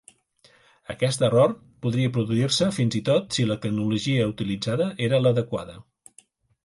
Aquest error podia produir-se fins i tot si la tecnologia utilitzada era l'adequada.